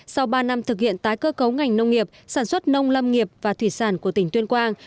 sau ba năm thực hiện tái cơ cấu ngành nông nghiệp sản xuất nông lâm nghiệp và thủy sản của tỉnh tuyên quang